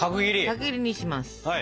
角切りにします。